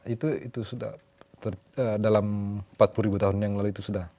itu sudah dalam empat puluh tahun yang lalu itu sudah